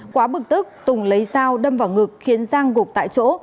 quá bực tức tùng lấy dao đâm vào ngực khiến giang gục tại chỗ